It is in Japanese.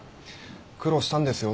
苦労したんですよ